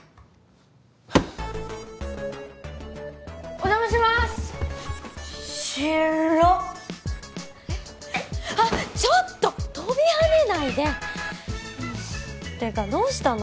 お邪魔します広っえっえっあっちょっと跳びはねないでもうてかどうしたの？